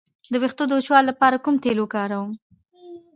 د ویښتو د وچوالي لپاره کوم تېل وکاروم؟